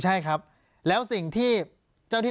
ปากกับภาคภูมิ